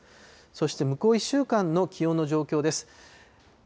そして向こう１週間の気温の状況です。